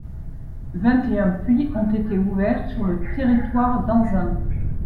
Vingt-et-un puits ont été ouverts sur le territoire d'Anzin.